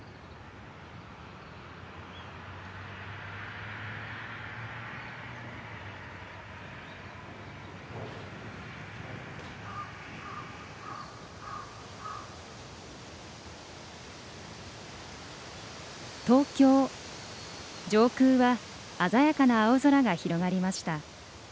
東京上空は鮮やかな青空が広がりました。